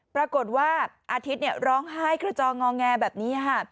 ปรากฏว่าอาทิตย์ร้องไห้กระจองงอแงแบบนี้ค่ะ